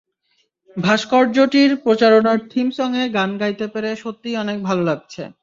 ভাস্কর্যটির প্রচারণার থিম সংয়ে গান গাইতে পেরে সত্যিই অনেক ভালো লাগছে।